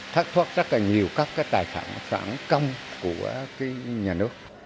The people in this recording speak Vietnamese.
thác thoát rất là nhiều các tài sản phản công của nhà nước